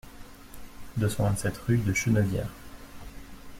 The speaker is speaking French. deux cent vingt-sept rue de Chenevière